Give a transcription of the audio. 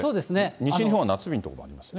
西日本は夏日の所もあります